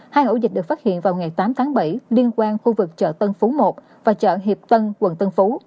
hai ổ dịch được phát hiện vào ngày tám tháng bảy liên quan khu vực chợ tân phú một và chợ hiệp tân quận tân phú